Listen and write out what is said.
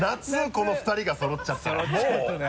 この２人がそろっちゃったらもう。